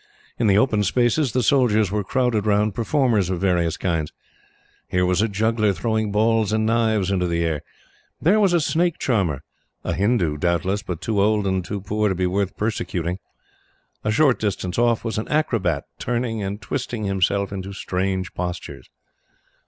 In the open spaces, the soldiers were crowded round performers of various kinds. Here was a juggler throwing balls and knives into the air. There was a snake charmer a Hindoo, doubtless, but too old and too poor to be worth persecuting. A short distance off was an acrobat turning and twisting himself into strange postures.